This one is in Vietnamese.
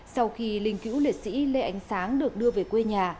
sau khi linh cữu liệt sĩ lê ánh sáng được đưa về quê nhà